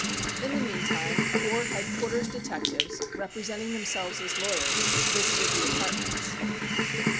In the meantime four Headquarters' detectives, representing themselves as lawyers, visited the apartments.